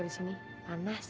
di sini panas